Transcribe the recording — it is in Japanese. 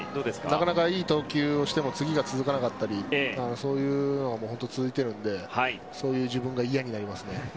なかなかいい投球をしても次が続かなかったりそういうのが続いているのでそういう自分が嫌になりますね。